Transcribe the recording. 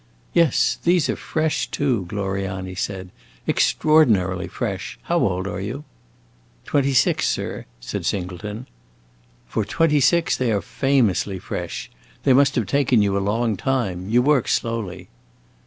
"Yes, these are fresh too," Gloriani said; "extraordinarily fresh! How old are you?" "Twenty six, sir," said Singleton. "For twenty six they are famously fresh. They must have taken you a long time; you work slowly."